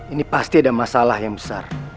ini pasti ada masalah yang besar